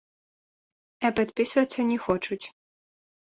А падпісвацца не хочуць.